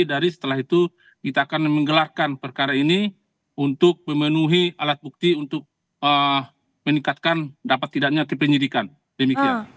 dari setelah itu kita akan menggelarkan perkara ini untuk memenuhi alat bukti untuk meningkatkan dapat tidaknya ke penyidikan demikian